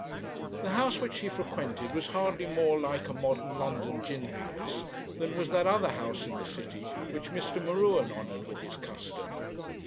The house which he frequented was hardly more like a modern London gin palace than was that other house in the city which Mr. M'Ruen honoured with his custom.